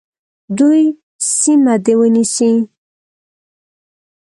دوی سیمه دي ونیسي.